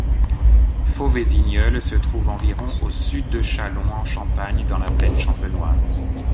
Faux-Vésigneul se trouve environ au sud de Châlons-en-Champagne, dans la plaine champenoise.